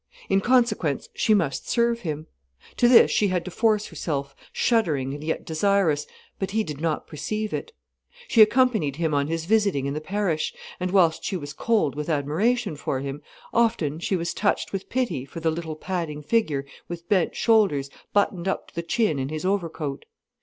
In consequence she must serve him. To this she had to force herself, shuddering and yet desirous, but he did not perceive it. She accompanied him on his visiting in the parish, and whilst she was cold with admiration for him, often she was touched with pity for the little padding figure with bent shoulders, buttoned up to the chin in his overcoat.